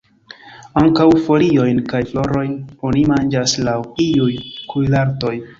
Ankaŭ foliojn kaj florojn oni manĝas laŭ iuj kuirartoj.